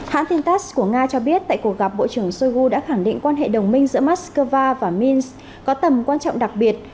hãng tin tass của nga cho biết tại cuộc gặp bộ trưởng shoigu đã khẳng định quan hệ đồng minh giữa moscow và mins có tầm quan trọng đặc biệt